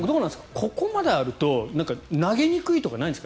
ここまであると投げにくいとかないんですか？